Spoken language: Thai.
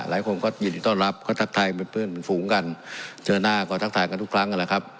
หลายคนก็ยืนอยู่ตอนรับก็ทักทายเพื่อนฝูงกันเจอหน้าก็ทักทายกันทุกครั้ง